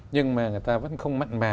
nhưng mà người ta vẫn không mạnh mà